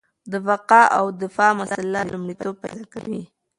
د بقا او دفاع مسله لومړیتوب پیدا کوي.